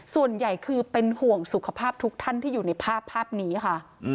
ส่วนใหญ่คือเป็นห่วงสุขภาพทุกท่านที่อยู่ในภาพภาพนี้ค่ะ